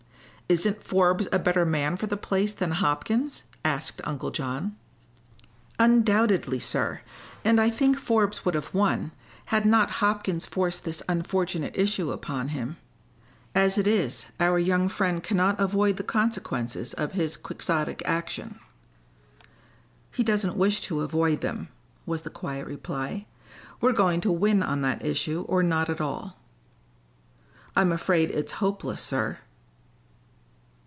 "Isn't Forbes a better man for the place than Hopkins?" asked Uncle John. "Undoubtedly, sir. And I think Forbes would have won, had not Hopkins forced this unfortunate issue upon him. As it is, our young friend cannot avoid the consequences of his quixotic action." "He doesn't wish to avoid them," was the quiet reply. "We're going to win on that issue or not at all." "I'm afraid it's hopeless, sir."